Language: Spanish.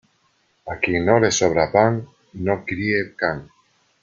A quien no le sobra pan, no críe can.